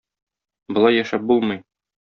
Болай яшәп булмый.